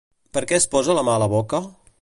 Per què es posa la mà a la boca?